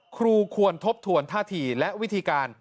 ควรทบทวนท่าทีและวิธีการ